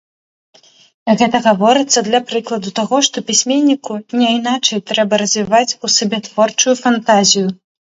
Гэта гаворыцца для прыкладу таго, што пісьменніку няйначай трэба развіваць у сабе творчую фантазію.